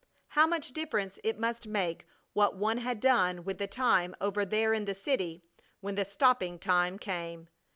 How much difference it must make what one had done with the time over there in the city, when the stopping time came!